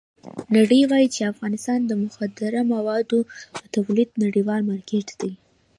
نړۍ وایي چې افغانستان د مخدره موادو د تولید نړیوال مارکېټ دی.